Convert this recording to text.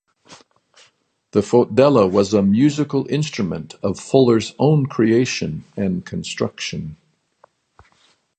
The fotdella was a musical instrument of Fuller's own creation and construction.